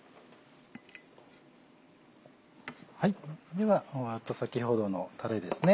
では先ほどのたれですね。